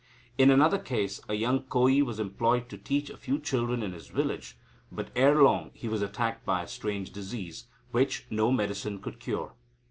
In another case, a young Koyi was employed to teach a few children in his village, but ere long he was attacked by a strange disease, which no medicine could cure.